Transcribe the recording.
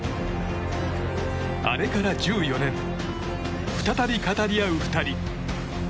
あれから１４年再び語り合う２人。